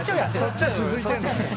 そっちは続いてんのね。